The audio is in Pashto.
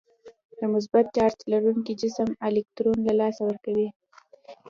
د مثبت چارج لرونکی جسم الکترون له لاسه ورکوي.